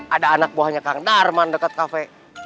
ada anak buahnya kang darman dekat kafe